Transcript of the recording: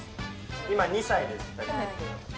今２歳です